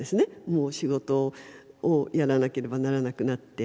もう仕事をやらなければならなくなって。